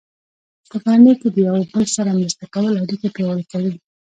په کورنۍ کې د یو بل سره مرسته کول اړیکې پیاوړې کوي.